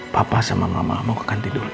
papa sama mama mau kekanti dulu ya